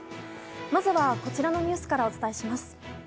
まずはこちらのニュースからお伝えします。